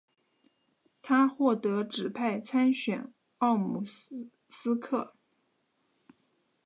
他获得指派参选奥姆斯克。